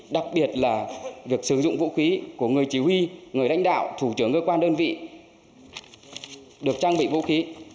đặc biệt là việc sử dụng vũ khí của người chỉ huy người đánh đạo thủ trưởng cơ quan đơn vị được trang bị vũ khí